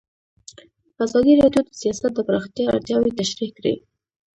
ازادي راډیو د سیاست د پراختیا اړتیاوې تشریح کړي.